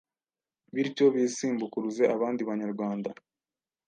bityo bisumbukuruze abandi Banyarwanda .